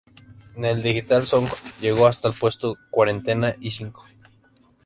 En el "Digital Songs", llegó hasta el puesto cuarenta y cinco.